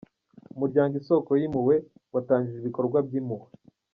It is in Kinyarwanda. Umuryango Isoko y’impuhwe’ watangije ibikorwa by’impuhwe